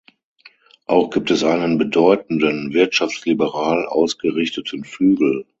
Auch gibt es einen bedeutenden wirtschaftsliberal ausgerichteten Flügel.